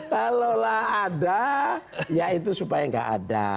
kalau lah ada ya itu supaya nggak ada